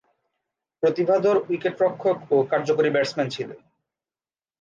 প্রতিভাধর উইকেট-রক্ষক ও কার্যকরী ব্যাটসম্যান ছিলেন।